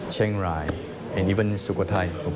ครับ